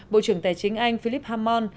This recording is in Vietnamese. bộ trưởng tài chính anh philip hammond